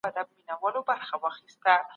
کمپيوټر ياددښت اخلي.